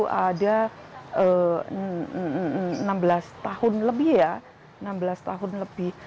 itu ada enam belas tahun lebih ya enam belas tahun lebih